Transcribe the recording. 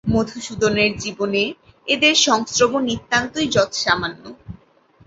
মধুসূদনের জীবনে এদের সংস্রব নিতান্তই যৎসামান্য।